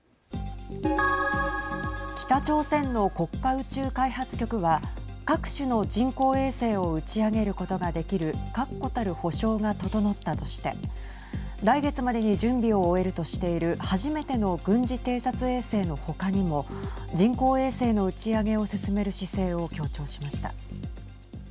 北朝鮮の国家宇宙開発局は各種の人工衛星を打ち上げることができる確固たる保証が整ったとして来月までに準備を終えるとしている初めての軍事偵察衛星の他にも人工衛星の打ち上げを進める姿勢を強調しました。